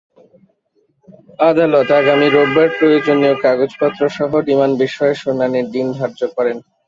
আদালত আগামী রোববার প্রয়োজনীয় কাগজপত্রসহ রিমান্ড বিষয়ে শুনানির দিন ধার্য করেন।